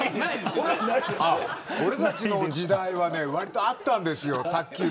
俺たちの時代はわりとあったんですよ。